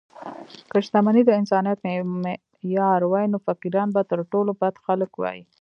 که شتمني د انسانیت معیار وای، نو فقیران به تر ټولو بد خلک وای.